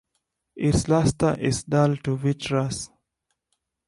Its luster is dull to vitreous.